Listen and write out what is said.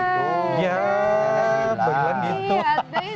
tidak diberi begitu